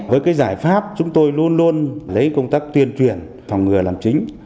với cái giải pháp chúng tôi luôn luôn lấy công tác tuyên truyền phòng ngừa làm chính